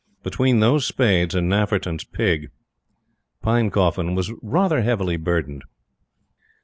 Between those spades and Nafferton's Pig, Pinecoffin was rather heavily burdened.